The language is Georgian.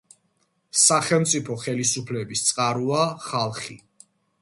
სახელმწიფო ხელისუფლების წყაროა ხალხი.